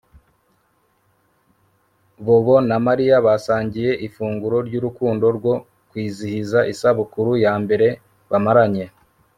Bobo na Mariya basangiye ifunguro ryurukundo rwo kwizihiza isabukuru yambere bamaranye